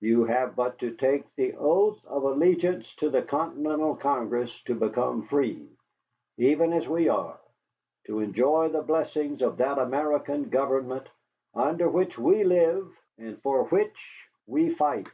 You have but to take the oath of allegiance to the Continental Congress to become free, even as we are, to enjoy the blessings of that American government under which we live and for which we fight."